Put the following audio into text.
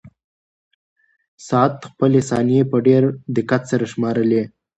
ساعت خپلې ثانیې په ډېر دقت سره شمارلې.